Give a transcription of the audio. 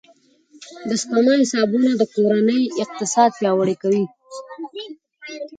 د سپما حسابونه د کورنۍ اقتصاد پیاوړی کوي.